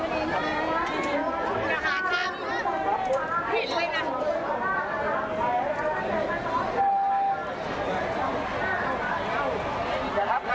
วิทยาลัยเมริกาวิทยาลัยเมริกา